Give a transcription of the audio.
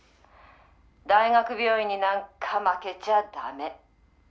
「大学病院になんか負けちゃダメ」